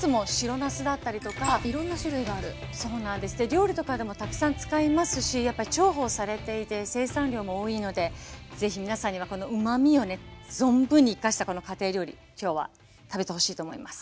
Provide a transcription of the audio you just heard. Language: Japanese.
料理とかでもたくさん使いますしやっぱり重宝されていて生産量も多いので是非皆さんにはこのうまみをね存分に生かしたこの家庭料理今日は食べてほしいと思います。